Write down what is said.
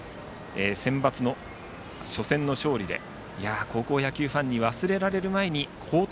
センバツの初戦の勝利で高校野球ファンに忘れられる前に報徳